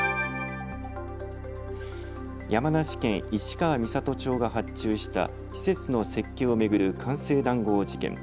山梨県市川三郷町が発注した施設の設計を巡る官製談合事件。